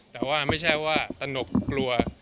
แต่ว่าไม่ใช่ว่าตนกกลัว